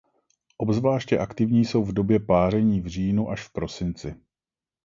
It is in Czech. Obzvláště aktivní jsou v době páření v říjnu až prosinci.